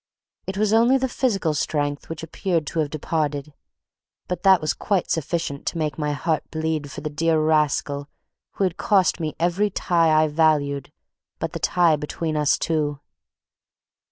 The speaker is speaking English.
It was only the physical strength which appeared to have departed; but that was quite sufficient to make my heart bleed for the dear rascal who had cost me every tie I valued but the tie between us two.